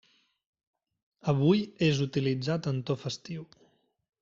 Avui és utilitzat en to festiu.